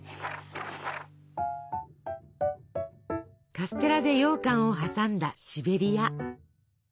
カステラでようかんを挟んだシベリア。